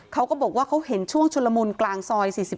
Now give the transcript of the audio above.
เขาก็บอกว่าเขาเห็นช่วงชุลมุนกลางซอย๔๑